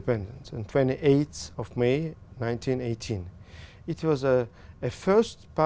nền kinh tế năng lượng của nó